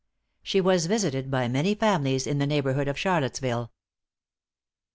She was visited by many families in the neighborhood of Charlottesville.